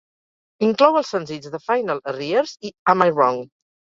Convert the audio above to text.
Inclou els senzills "The Final Arrears" i "Am I Wrong".